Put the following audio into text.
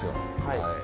はい。